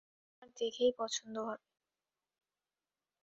তোমার দেখেই পছন্দ হবে।